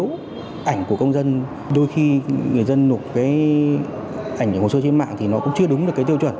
đối chiếu ảnh của công dân đôi khi người dân nộp cái ảnh của hồ sơ trên mạng thì nó cũng chưa đúng được cái tiêu chuẩn